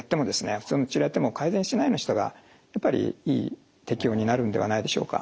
普通の治療やっても改善しないような人がやっぱり適用になるんではないでしょうか。